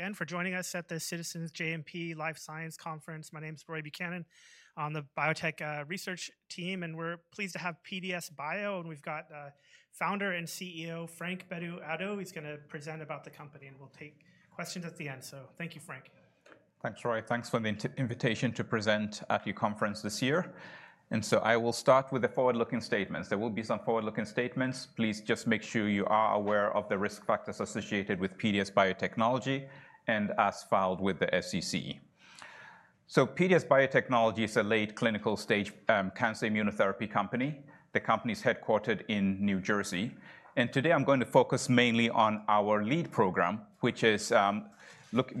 Again, for joining us at the Citizens JMP Life Sciences Conference. My name is Roy Buchanan on the biotech research team, and we're pleased to have PDS Biotechnology, and we've got founder and CEO Frank Bedu-Addo. He's going to present about the company, and we'll take questions at the end. So thank you, Frank. Thanks, Roy. Thanks for the invitation to present at your conference this year. And so I will start with the forward-looking statements. There will be some forward-looking statements. Please just make sure you are aware of the risk factors associated with PDS Biotechnology and as filed with the SEC. So PDS Biotechnology is a late clinical stage cancer immunotherapy company. The company is headquartered in New Jersey. And today I'm going to focus mainly on our lead program, which is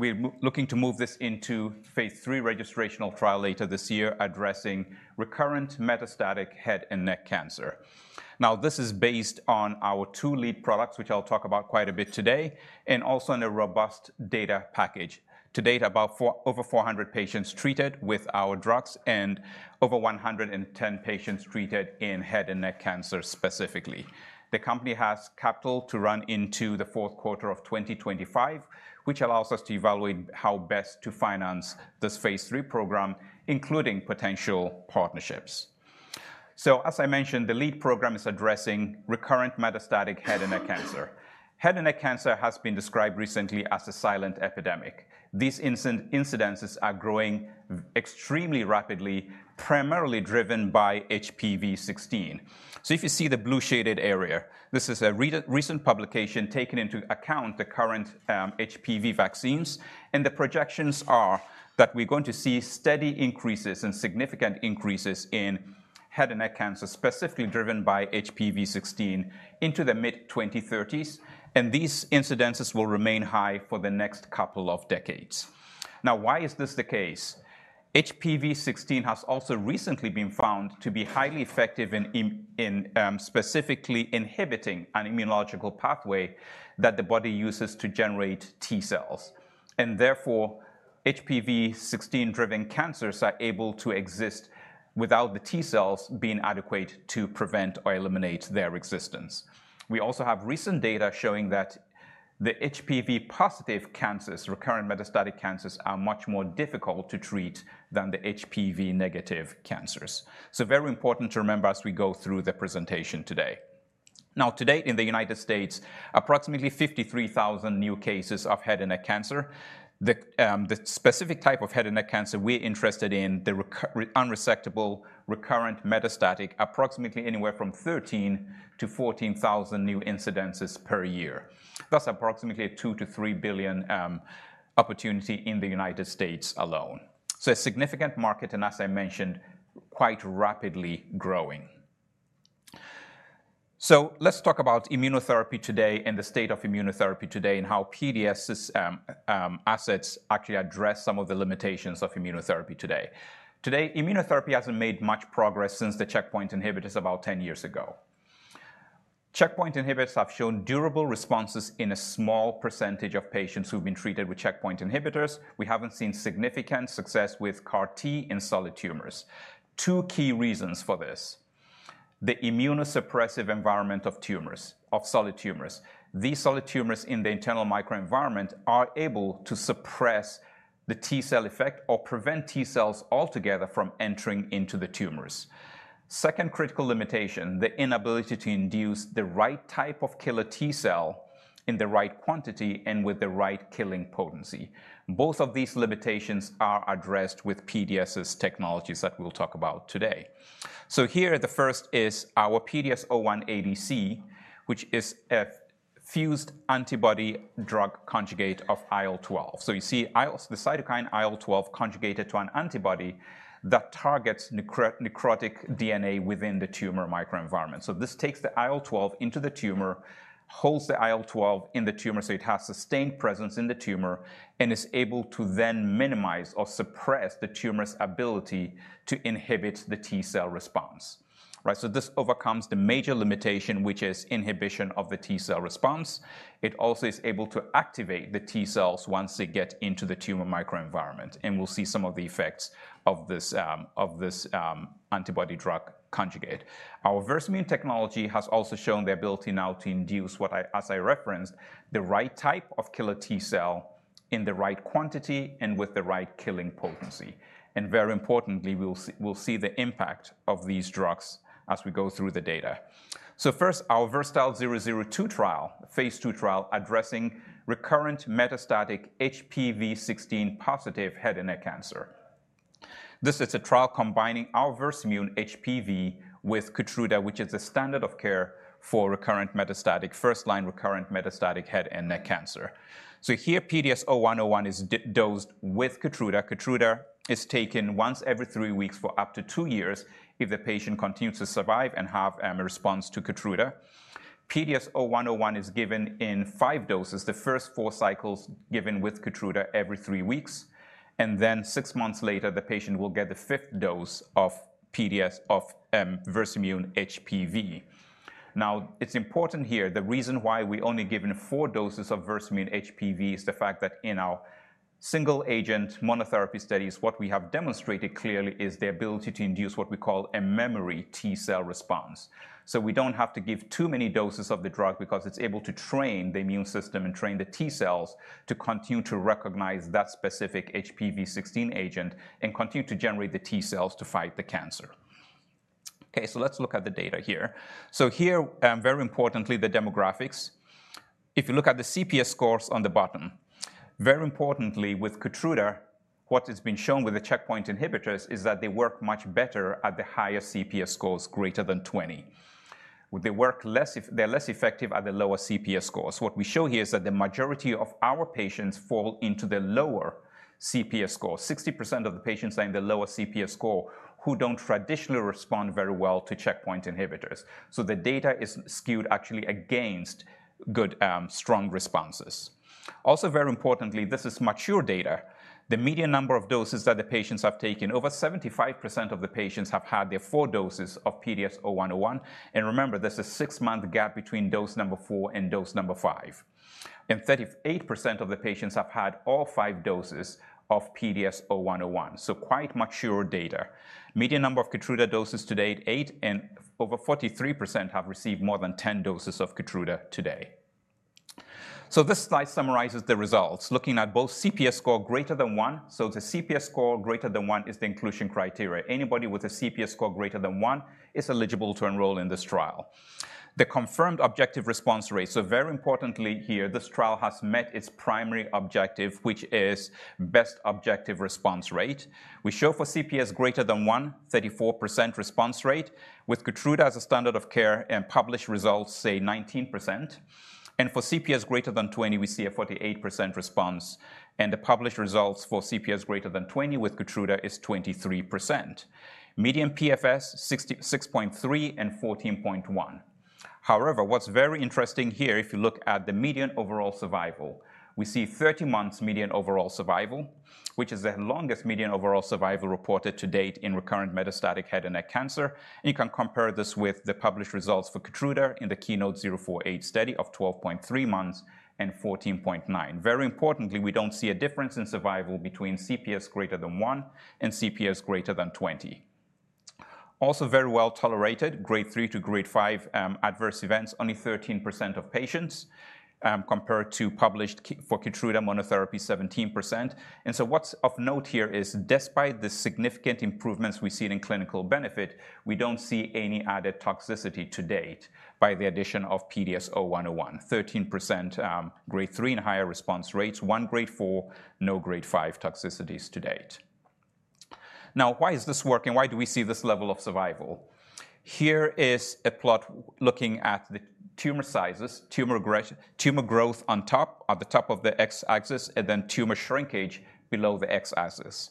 we're looking to move this into phase three registrational trial later this year, addressing recurrent metastatic head and neck cancer. Now, this is based on our two lead products, which I'll talk about quite a bit today, and also in a robust data package. To date, about over 400 patients treated with our drugs and over 110 patients treated in head and neck cancer specifically. The company has capital to run into the fourth quarter of 2025, which allows us to evaluate how best to finance this phase three program, including potential partnerships. As I mentioned, the lead program is addressing recurrent metastatic head and neck cancer. Head and neck cancer has been described recently as a silent epidemic. These incidences are growing extremely rapidly, primarily driven by HPV-16. If you see the blue shaded area, this is a recent publication taking into account the current HPV vaccines. The projections are that we're going to see steady increases and significant increases in head and neck cancer, specifically driven by HPV-16, into the mid-2030s. These incidences will remain high for the next couple of decades. Now, why is this the case? HPV-16 has also recently been found to be highly effective in specifically inhibiting an immunological pathway that the body uses to generate T cells. And therefore, HPV-16-driven cancers are able to exist without the T cells being adequate to prevent or eliminate their existence. We also have recent data showing that the HPV-positive cancers, recurrent metastatic cancers, are much more difficult to treat than the HPV-negative cancers. So very important to remember as we go through the presentation today. Now, to date in the United States, approximately 53,000 new cases of head and neck cancer. The specific type of head and neck cancer we're interested in, the unresectable, recurrent metastatic, approximately anywhere from 13,000-14,000 new incidences per year. That's approximately a $2-$3 billion opportunity in the United States alone. So a significant market and, as I mentioned, quite rapidly growing. So let's talk about immunotherapy today and the state of immunotherapy today and how PDS's assets actually address some of the limitations of immunotherapy today. Today, immunotherapy hasn't made much progress since the checkpoint inhibitors about 10 years ago. Checkpoint inhibitors have shown durable responses in a small percentage of patients who've been treated with checkpoint inhibitors. We haven't seen significant success with CAR-T in solid tumors. Two key reasons for this: the immunosuppressive environment of solid tumors. These solid tumors in the internal microenvironment are able to suppress the T cell effect or prevent T cells altogether from entering into the tumors. Second critical limitation, the inability to induce the right type of killer T cell in the right quantity and with the right killing potency. Both of these limitations are addressed with PDS's technologies that we'll talk about today. So here, the first is our PDS01ADC, which is a fused antibody-drug conjugate of IL-12. So you see the cytokine IL-12 conjugated to an antibody that targets necrotic DNA within the tumor microenvironment. So this takes the IL-12 into the tumor, holds the IL-12 in the tumor so it has sustained presence in the tumor, and is able to then minimize or suppress the tumor's ability to inhibit the T cell response. So this overcomes the major limitation, which is inhibition of the T cell response. It also is able to activate the T cells once they get into the tumor microenvironment. And we'll see some of the effects of this antibody-drug conjugate. Our Versamune technology has also shown the ability now to induce, as I referenced, the right type of killer T cell in the right quantity and with the right killing potency. Very importantly, we'll see the impact of these drugs as we go through the data. So first, our VERSATILE-002 trial, phase 2 trial, addressing recurrent metastatic HPV-16 positive head and neck cancer. This is a trial combining our Versamune HPV with Keytruda, which is the standard of care for recurrent metastatic, first-line recurrent metastatic head and neck cancer. So here, PDS0101 is dosed with Keytruda. Keytruda is taken once every three weeks for up to two years if the patient continues to survive and have a response to Keytruda. PDS0101 is given in five doses, the first four cycles given with Keytruda every three weeks. And then six months later, the patient will get the fifth dose of Versamune HPV. Now, it's important here, the reason why we only given 4 doses of Versamune HPV is the fact that in our single-agent monotherapy studies, what we have demonstrated clearly is the ability to induce what we call a memory T cell response. So we don't have to give too many doses of the drug because it's able to train the immune system and train the T cells to continue to recognize that specific HPV-16 agent and continue to generate the T cells to fight the cancer. Okay, so let's look at the data here. So here, very importantly, the demographics. If you look at the CPS scores on the bottom, very importantly, with Keytruda, what has been shown with the checkpoint inhibitors is that they work much better at the higher CPS scores greater than 20. They're less effective at the lower CPS scores. What we show here is that the majority of our patients fall into the lower CPS score. 60% of the patients are in the lower CPS score who don't traditionally respond very well to checkpoint inhibitors. So the data is skewed actually against good, strong responses. Also, very importantly, this is mature data. The median number of doses that the patients have taken, over 75% of the patients have had their 4 doses of PDS0101. And remember, there's a 6-month gap between dose number 4 and dose number 5. And 38% of the patients have had all 5 doses of PDS0101. So quite mature data. Median number of Keytruda doses to date, 8, and over 43% have received more than 10 doses of Keytruda today. So this slide summarizes the results, looking at both CPS score greater than one. So the CPS score greater than one is the inclusion criteria. Anybody with a CPS score greater than one is eligible to enroll in this trial. The confirmed objective response rate. So very importantly here, this trial has met its primary objective, which is best objective response rate. We show for CPS greater than one, 34% response rate, with Keytruda as a standard of care and published results, say, 19%. And for CPS greater than 20, we see a 48% response. And the published results for CPS greater than 20 with Keytruda is 23%. Median PFS, 6.3 and 14.1. However, what's very interesting here, if you look at the median overall survival, we see 30 months median overall survival, which is the longest median overall survival reported to date in recurrent metastatic head and neck cancer. And you can compare this with the published results for Keytruda in the KEYNOTE-048 study of 12.3 months and 14.9. Very importantly, we don't see a difference in survival between CPS greater than 1 and CPS greater than 20. Also, very well tolerated, grade 3 to grade 5 adverse events, only 13% of patients compared to published for Keytruda monotherapy, 17%. And so what's of note here is, despite the significant improvements we've seen in clinical benefit, we don't see any added toxicity to date by the addition of PDS0101, 13% grade 3 and higher response rates, 1 grade 4, no grade 5 toxicities to date. Now, why is this working? Why do we see this level of survival? Here is a plot looking at the tumor sizes, tumor growth on top, at the top of the X-axis, and then tumor shrinkage below the X-axis.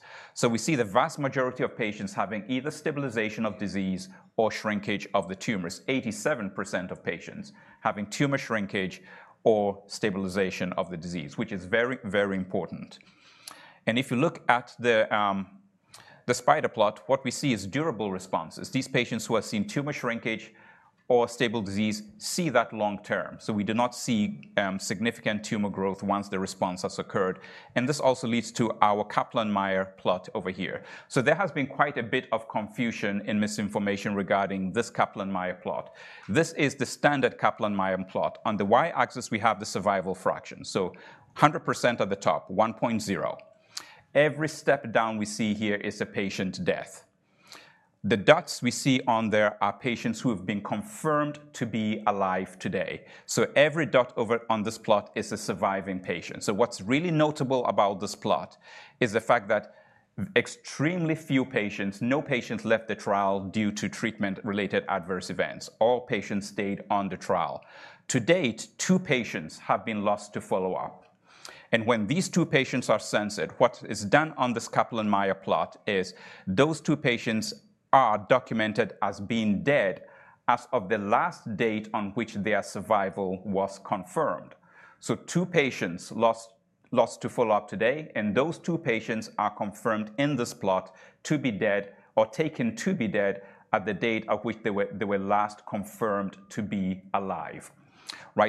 We see the vast majority of patients having either stabilization of disease or shrinkage of the tumors, 87% of patients having tumor shrinkage or stabilization of the disease, which is very, very important. If you look at the spider plot, what we see is durable responses. These patients who have seen tumor shrinkage or stable disease see that long term. We do not see significant tumor growth once the response has occurred. This also leads to our Kaplan-Meier plot over here. There has been quite a bit of confusion and misinformation regarding this Kaplan-Meier plot. This is the standard Kaplan-Meier plot. On the Y-axis, we have the survival fraction. 100% at the top, 1.0. Every step down we see here is a patient's death. The dots we see on there are patients who have been confirmed to be alive today. So every dot on this plot is a surviving patient. So what's really notable about this plot is the fact that extremely few patients, no patients left the trial due to treatment-related adverse events. All patients stayed on the trial. To date, two patients have been lost to follow-up. And when these two patients are censored, what is done on this Kaplan-Meier plot is those two patients are documented as being dead as of the last date on which their survival was confirmed. So two patients lost to follow-up today, and those two patients are confirmed in this plot to be dead or taken to be dead at the date at which they were last confirmed to be alive.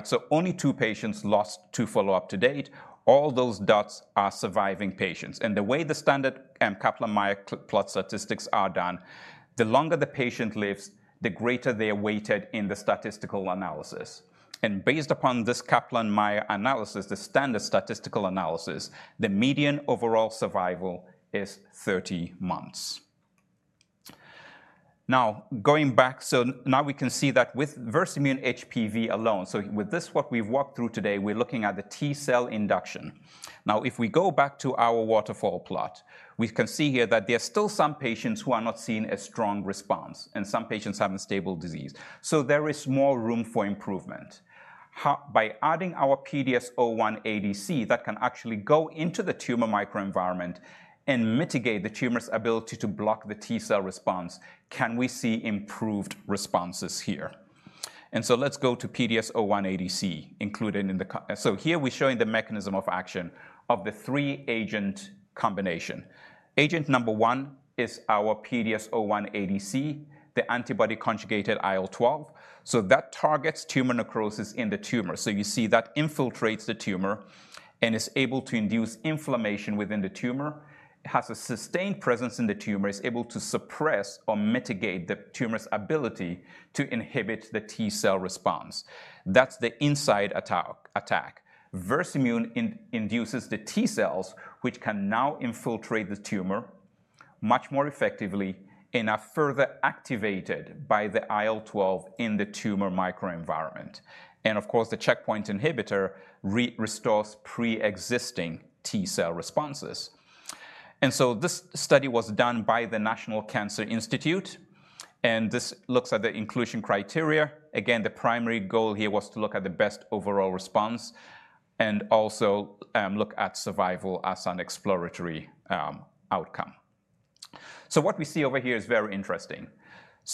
So only two patients lost to follow-up to date. All those dots are surviving patients. The way the standard Kaplan-Meier plot statistics are done, the longer the patient lives, the greater they are weighted in the statistical analysis. Based upon this Kaplan-Meier analysis, the standard statistical analysis, the median overall survival is 30 months. Now, going back, so now we can see that with Versamune HPV alone, so with this, what we've walked through today, we're looking at the T cell induction. Now, if we go back to our waterfall plot, we can see here that there are still some patients who are not seeing a strong response, and some patients have a stable disease. So there is more room for improvement. By adding our PDS01ADC, that can actually go into the tumor microenvironment and mitigate the tumor's ability to block the T cell response, can we see improved responses here? And so let's go to PDS01ADC included in the so here we're showing the mechanism of action of the three-agent combination. Agent number one is our PDS01ADC, the antibody-conjugated IL-12. So that targets tumor necrosis in the tumor. So you see that infiltrates the tumor and is able to induce inflammation within the tumor. It has a sustained presence in the tumor. It's able to suppress or mitigate the tumor's ability to inhibit the T cell response. That's the inside attack. Versamune induces the T cells, which can now infiltrate the tumor much more effectively and are further activated by the IL-12 in the tumor microenvironment. And of course, the checkpoint inhibitor restores pre-existing T cell responses. And so this study was done by the National Cancer Institute. And this looks at the inclusion criteria. Again, the primary goal here was to look at the best overall response and also look at survival as an exploratory outcome. So what we see over here is very interesting.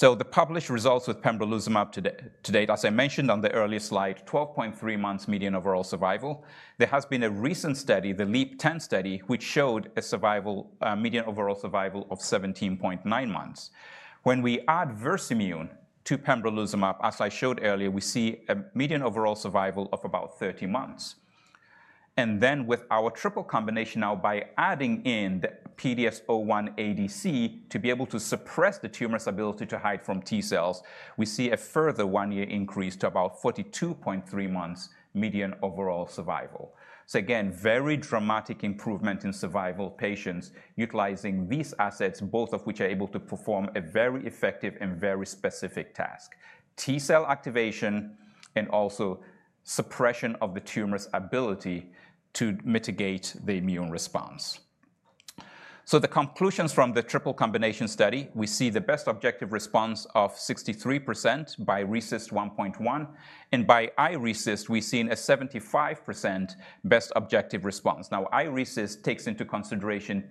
So the published results with pembrolizumab to date, as I mentioned on the earlier slide, 12.3 months median overall survival. There has been a recent study, the LEAP-010 study, which showed a median overall survival of 17.9 months. When we add Versamune to pembrolizumab, as I showed earlier, we see a median overall survival of about 30 months. And then with our triple combination now, by adding in the PDS01ADC to be able to suppress the tumor's ability to hide from T cells, we see a further one-year increase to about 42.3 months median overall survival. So again, very dramatic improvement in survival patients utilizing these assets, both of which are able to perform a very effective and very specific task, T cell activation and also suppression of the tumor's ability to mitigate the immune response. So the conclusions from the triple combination study, we see the best objective response of 63% by RECIST 1.1. And by iRECIST, we've seen a 75% best objective response. Now, iRECIST takes into consideration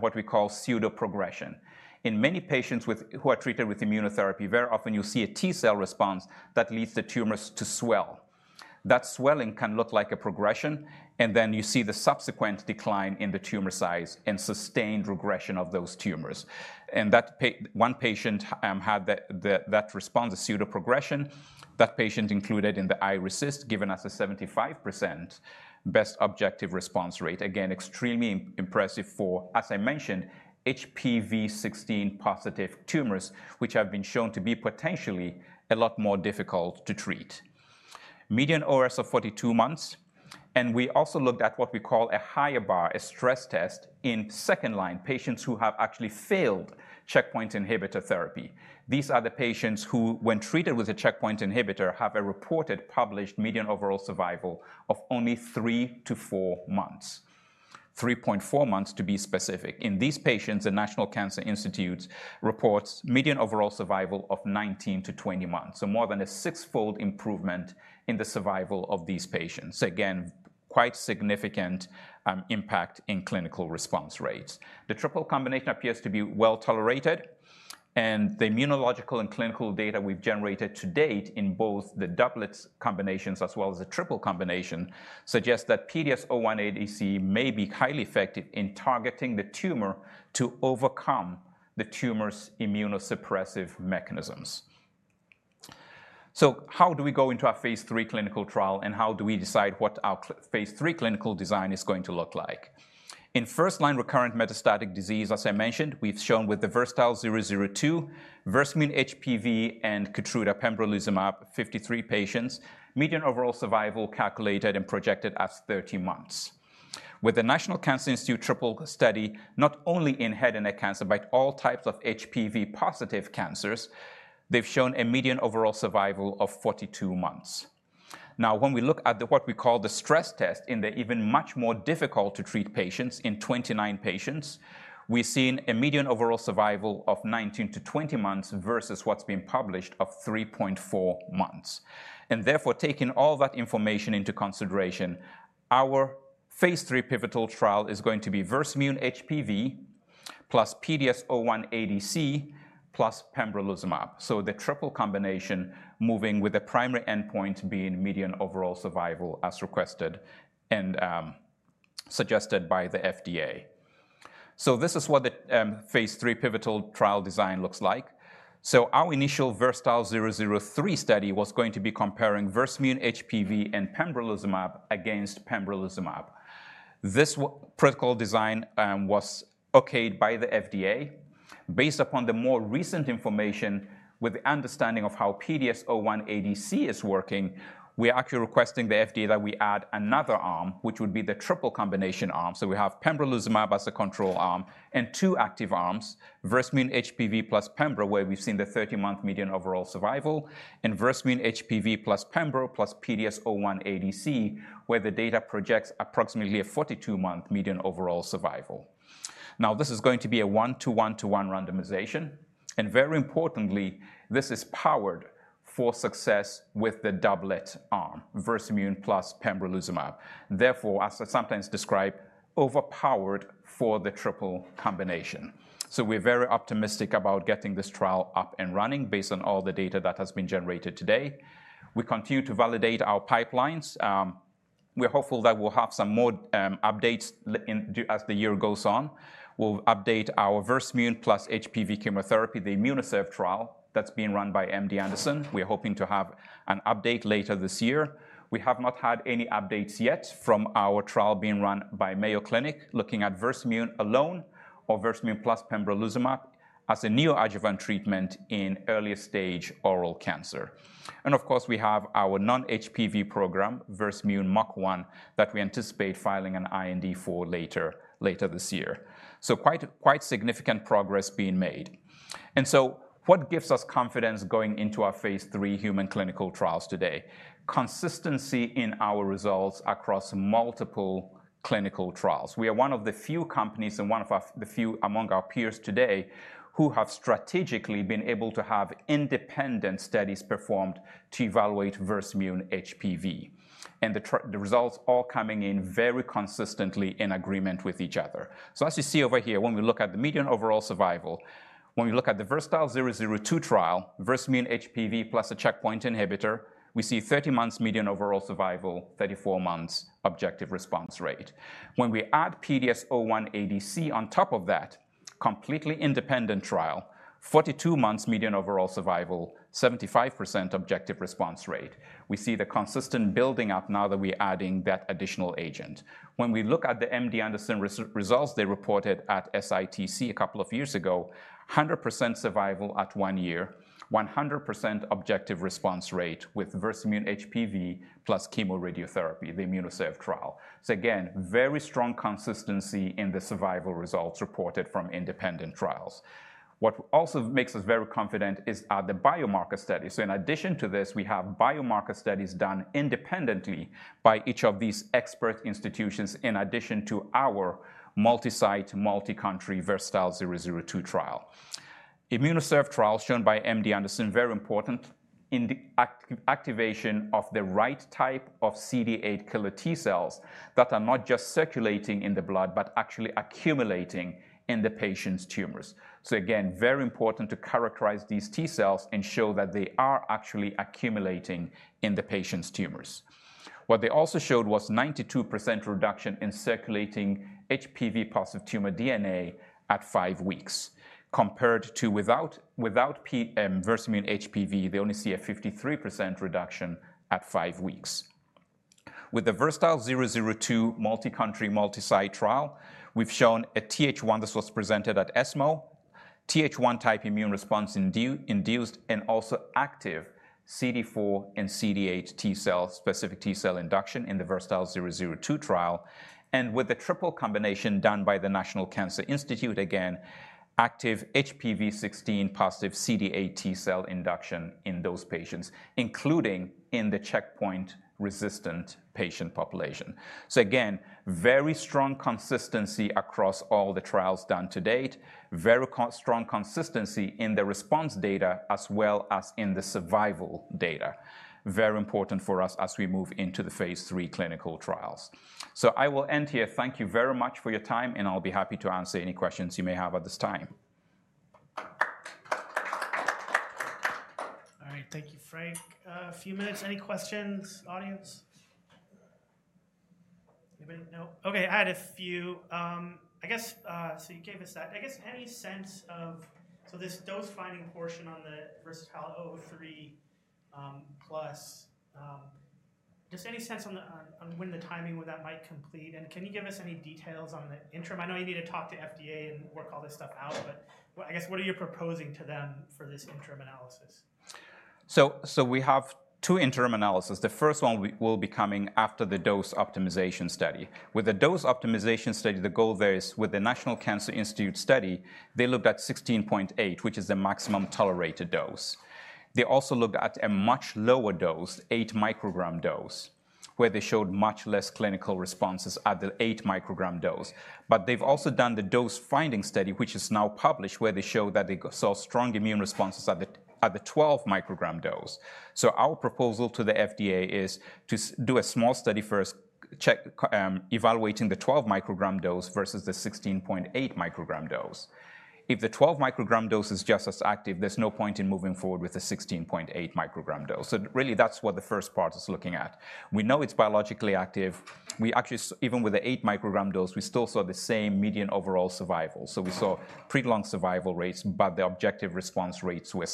what we call pseudoprogression. In many patients who are treated with immunotherapy, very often you'll see a T cell response that leads the tumors to swell. That swelling can look like a progression. And then you see the subsequent decline in the tumor size and sustained regression of those tumors. And one patient had that response, a pseudoprogression. That patient included in the iRECIST, given us a 75% best objective response rate. Again, extremely impressive for, as I mentioned, HPV-16 positive tumors, which have been shown to be potentially a lot more difficult to treat. Median ORS of 42 months. And we also looked at what we call a higher bar, a stress test in second-line patients who have actually failed checkpoint inhibitor therapy. These are the patients who, when treated with a checkpoint inhibitor, have a reported published median overall survival of only 3-4 months, 3.4 months to be specific. In these patients, the National Cancer Institute reports median overall survival of 19-20 months, so more than a sixfold improvement in the survival of these patients. Again, quite significant impact in clinical response rates. The triple combination appears to be well tolerated. The immunological and clinical data we've generated to date in both the doublets combinations as well as the triple combination suggests that PDS01ADC may be highly effective in targeting the tumor to overcome the tumor's immunosuppressive mechanisms. How do we go into our phase 3 clinical trial, and how do we decide what our phase 3 clinical design is going to look like? In first-line recurrent metastatic disease, as I mentioned, we've shown with the VERSATILE-002, Versamune HPV, and Keytruda pembrolizumab, 53 patients, median overall survival calculated and projected as 30 months. With the National Cancer Institute triple study, not only in head and neck cancer, but all types of HPV-positive cancers, they've shown a median overall survival of 42 months. Now, when we look at what we call the stress test in the even much more difficult-to-treat patients, in 29 patients, we've seen a median overall survival of 19-20 months versus what's been published of 3.4 months. Therefore, taking all that information into consideration, our phase 3 pivotal trial is going to be Versamune HPV plus PDS01ADC plus pembrolizumab, so the triple combination moving with the primary endpoint being median overall survival as requested and suggested by the FDA. This is what the phase 3 pivotal trial design looks like. Our initial VERSATILE-003 study was going to be comparing Versamune HPV and pembrolizumab against pembrolizumab. This protocol design was okayed by the FDA. Based upon the more recent information, with the understanding of how PDS01ADC is working, we are actually requesting the FDA that we add another arm, which would be the triple combination arm. So we have pembrolizumab as a control arm and two active arms, Versamune HPV plus pembro, where we've seen the 30-month median overall survival, and Versamune HPV plus pembro plus PDS01ADC, where the data projects approximately a 42-month median overall survival. Now, this is going to be a 1-to-1-to-1 randomization. And very importantly, this is powered for success with the doublet arm, Versamune plus pembrolizumab. Therefore, as I sometimes describe, overpowered for the triple combination. So we're very optimistic about getting this trial up and running based on all the data that has been generated today. We continue to validate our pipelines. We're hopeful that we'll have some more updates as the year goes on. We'll update our Versamune plus HPV chemotherapy, the IMMUNOCERV trial that's being run by MD Anderson. We're hoping to have an update later this year. We have not had any updates yet from our trial being run by Mayo Clinic looking at Versamune alone or Versamune plus pembrolizumab as a neoadjuvant treatment in earliest stage oral cancer. And of course, we have our non-HPV program, Versamune MUC1, that we anticipate filing an IND for later this year. So quite significant progress being made. And so what gives us confidence going into our phase three human clinical trials today? Consistency in our results across multiple clinical trials. We are one of the few companies and one of the few among our peers today who have strategically been able to have independent studies performed to evaluate Versamune HPV. The results are all coming in very consistently in agreement with each other. So as you see over here, when we look at the median overall survival, when we look at the VERSATILE-002 trial, Versamune HPV plus a checkpoint inhibitor, we see 30 months median overall survival, 34 months objective response rate. When we add PDS01ADC on top of that, completely independent trial, 42 months median overall survival, 75% objective response rate, we see the consistent building up now that we're adding that additional agent. When we look at the MD Anderson results they reported at SITC a couple of years ago, 100% survival at 1 year, 100% objective response rate with Versamune HPV plus chemoradiotherapy, the IMMUNOCERV trial. So again, very strong consistency in the survival results reported from independent trials. What also makes us very confident are the biomarker studies. So in addition to this, we have biomarker studies done independently by each of these expert institutions in addition to our multi-site, multi-country VERSATILE-002 trial. IMMUNOCERV trials shown by MD Anderson, very important in the activation of the right type of CD8 killer T cells that are not just circulating in the blood but actually accumulating in the patient's tumors. So again, very important to characterize these T cells and show that they are actually accumulating in the patient's tumors. What they also showed was 92% reduction in circulating HPV-positive tumor DNA at five weeks compared to without Versamune HPV. They only see a 53% reduction at five weeks. With the VERSATILE-002 multi-country, multi-site trial, we've shown a Th1 that was presented at ESMO, Th1-type immune response induced and also active CD4 and CD8 T cell, specific T cell induction in the VERSATILE-002 trial. And with the triple combination done by the National Cancer Institute, again, active HPV-16 positive CD8 T cell induction in those patients, including in the checkpoint-resistant patient population. So again, very strong consistency across all the trials done to date, very strong consistency in the response data as well as in the survival data, very important for us as we move into the phase 3 clinical trials. So I will end here. Thank you very much for your time, and I'll be happy to answer any questions you may have at this time. All right. Thank you, Frank. A few minutes. Any questions, audience? Anybody? No? Okay. I had a few. I guess so you gave us that. I guess any sense of so this dose-finding portion on the VERSATILE-003 plus, just any sense on when the timing, when that might complete? And can you give us any details on the interim? I know you need to talk to FDA and work all this stuff out, but I guess what are you proposing to them for this interim analysis? So we have 2 interim analyses. The first one will be coming after the dose optimization study. With the dose optimization study, the goal there is with the National Cancer Institute study, they looked at 16.8, which is the maximum tolerated dose. They also looked at a much lower dose, 8 microgram dose, where they showed much less clinical responses at the 8 microgram dose. But they've also done the dose-finding study, which is now published, where they showed that they saw strong immune responses at the 12 microgram dose. So our proposal to the FDA is to do a small study first, evaluating the 12 microgram dose versus the 16.8 microgram dose. If the 12 microgram dose is just as active, there's no point in moving forward with the 16.8 microgram dose. So really, that's what the first part is looking at. We know it's biologically active. Even with the 8 microgram dose, we still saw the same median overall survival. So we saw prolonged survival rates, but the objective response rates were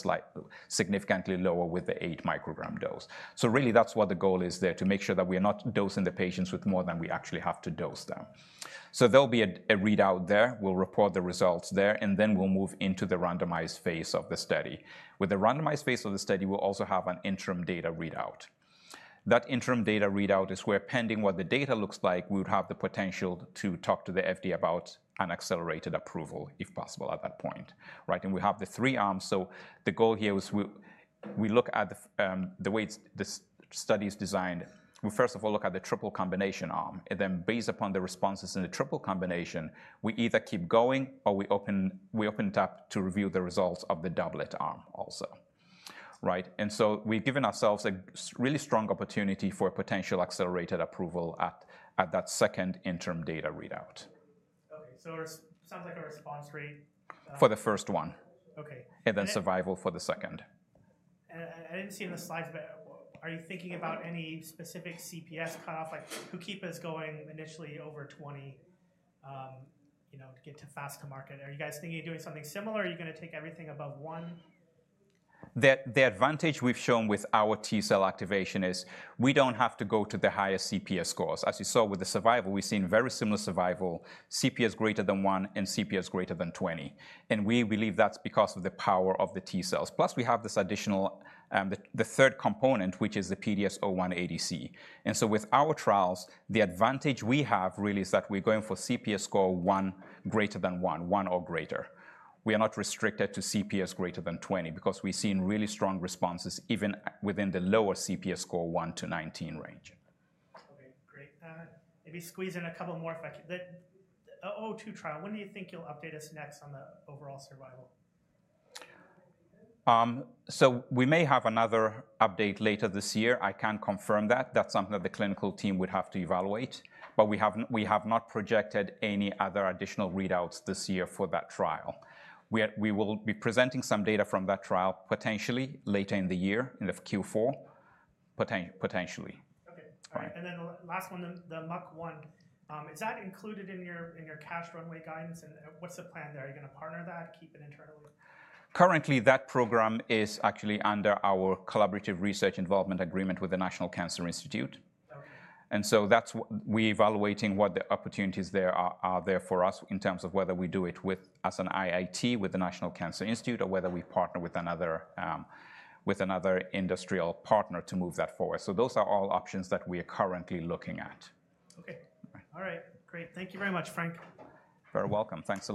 significantly lower with the 8 microgram dose. So really, that's what the goal is there, to make sure that we are not dosing the patients with more than we actually have to dose them. So there'll be a readout there. We'll report the results there, and then we'll move into the randomized phase of the study. With the randomized phase of the study, we'll also have an interim data readout. That interim data readout is where, pending what the data looks like, we would have the potential to talk to the FDA about an accelerated approval, if possible, at that point. And we have the 3 arms. So the goal here is we look at the way the study is designed. We first of all look at the triple combination arm. And then based upon the responses in the triple combination, we either keep going or we open it up to review the results of the doublet arm also. And so we've given ourselves a really strong opportunity for potential accelerated approval at that second interim data readout. Okay. It sounds like a response rate. For the first one. Okay. Then survival for the second. I didn't see in the slides, but are you thinking about any specific CPS cutoff? Like KEYNOTE-048 initially over 20 to get to fast-to-market? Are you guys thinking of doing something similar? Are you going to take everything above 1? The advantage we've shown with our T cell activation is we don't have to go to the highest CPS scores. As you saw with the survival, we've seen very similar survival, CPS greater than 1 and CPS greater than 20. We believe that's because of the power of the T cells. Plus, we have this additional, the third component, which is the PDS01ADC. So with our trials, the advantage we have really is that we're going for CPS score 1 greater than 1, 1 or greater. We are not restricted to CPS greater than 20 because we've seen really strong responses even within the lower CPS score 1-19 range. Okay. Great. Maybe squeeze in a couple more if I can. The 002 trial, when do you think you'll update us next on the overall survival? We may have another update later this year. I can't confirm that. That's something that the clinical team would have to evaluate. We have not projected any other additional readouts this year for that trial. We will be presenting some data from that trial potentially later in the year, in the Q4, potentially. Okay. All right. And then last one, the MUC1. Is that included in your cash runway guidance? And what's the plan there? Are you going to partner that, keep it internally? Currently, that program is actually under our collaborative research involvement agreement with the National Cancer Institute. And so we're evaluating what the opportunities there are for us in terms of whether we do it as an IIT with the National Cancer Institute or whether we partner with another industrial partner to move that forward. So those are all options that we are currently looking at. Okay. All right. Great. Thank you very much, Frank. Very welcome. Thanks for.